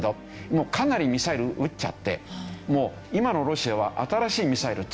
もうかなりミサイル撃っちゃってもう今のロシアは。